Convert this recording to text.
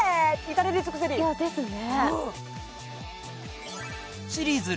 至れり尽くせりですね